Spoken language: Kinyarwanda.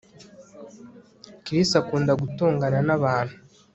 Chris akunda gutongana nabantu